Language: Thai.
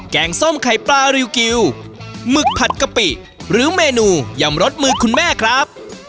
งส้มไข่ปลาริวกิวหมึกผัดกะปิหรือเมนูยำรสมือคุณแม่ครับ